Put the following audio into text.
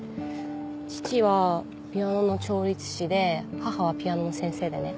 父はピアノの調律師で母はピアノの先生でね。